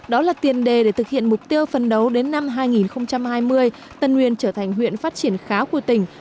đó là tiền đề để thực hiện mục tiêu phân đấu đến năm hai nghìn hai mươi tân uyên trở thành huyện phát triển khá của tỉnh